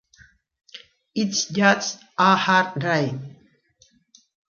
It's just a hard rain".